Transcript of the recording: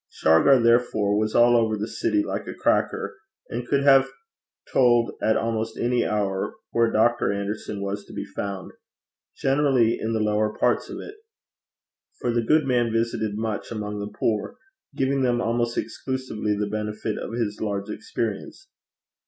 Shargar, therefore, was all over the city like a cracker, and could have told at almost any hour where Dr. Anderson was to be found generally in the lower parts of it, for the good man visited much among the poor; giving them almost exclusively the benefit of his large experience.